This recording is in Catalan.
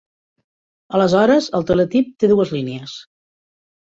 Aleshores el teletip té dues línies.